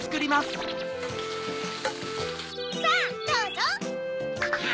さぁどうぞ！